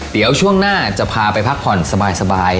เดี๋ยวช่วงหน้าจะพาไปพักผ่อนสบาย